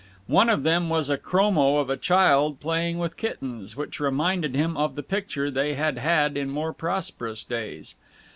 One of them was a chromo of a child playing with kittens, which reminded him of the picture they had had in more prosperous days.